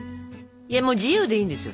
いやもう自由でいいんですよ。